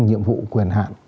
nhiệm vụ quyền hạn